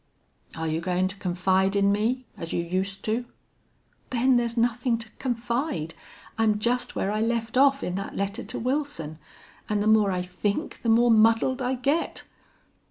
"Are you goin' to confide in me as you used to?" "Ben, there's nothing to confide. I'm just where I left off in that letter to Wilson. And the more I think the more muddled I get."